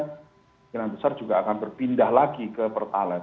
kemungkinan besar juga akan berpindah lagi ke pertalite